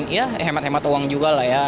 ya hemat hemat uang juga lah ya